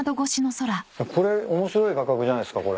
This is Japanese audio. これ面白い画角じゃないっすか？